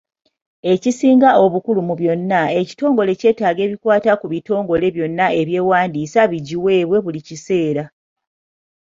Ekisinga obukulu mu byonna, ekitongole kyetaaga ebikwata ku bitongole byonna ebyewandiisa bigiweebwe buli kiseera.